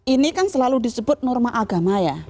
ini kan selalu disebut norma agama ya